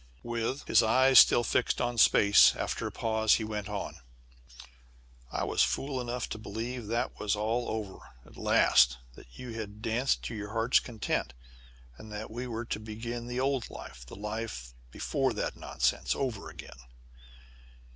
With his eyes still fixed on space after a pause he went on: "I was fool enough to believe that that was all over, at last, that you had danced to your heart's content, and that we were to begin the old life the life before that nonsense over again.